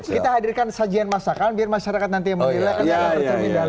kita hadirkan sajian masakan biar masyarakat nanti yang memilih akan bercerminan